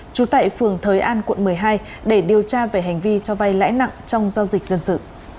trú tại phường thới an quận một mươi hai để điều tra về hành vi cho vay lãi nặng trong giao dịch dân sự